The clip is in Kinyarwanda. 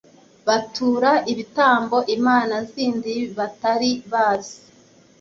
batura ibitambo imana zindi batari bazi.